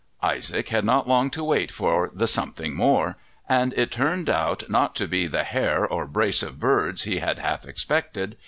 Isaac had not long to wait for the something more, and it turned out not to be the hare or brace of birds he had half expected.